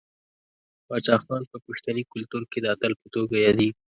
باچا خان په پښتني کلتور کې د اتل په توګه یادیږي.